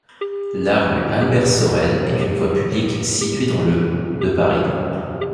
La rue Albert-Sorel est une voie publique située dans le de Paris.